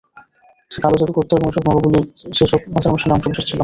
সে কালো জাদু করত এবং এসব নরবলি সেসব আচার-অনুষ্ঠানের অংশবিশেষ ছিল।